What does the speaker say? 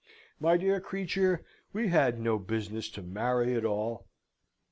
my dear creature, we had no business to marry at all!